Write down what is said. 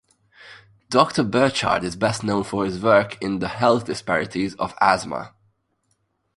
Doctor Burchard is best known for his work in the health disparities of asthma.